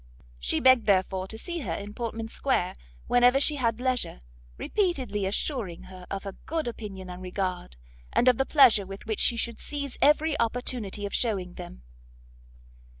She begged therefore to see her in Portman square whenever she had leisure, repeatedly assuring her of her good opinion and regard, and of the pleasure with which she should seize every opportunity of shewing them.